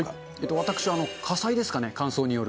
私は、火災ですかね、乾燥による。